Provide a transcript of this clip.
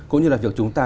cũng như là việc chúng ta